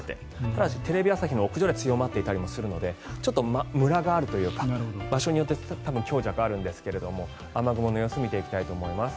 ただし、テレビ朝日の屋上では強まっていたりするのでちょっと、むらがあるというか場所によって強弱があるんですが雨雲の様子を見ていきたいと思います。